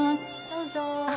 どうぞ。